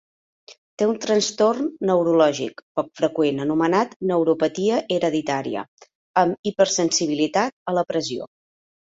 Té un trastorn neurològic poc freqüent anomenat neuropatia hereditària amb hipersensibilitat a la pressió.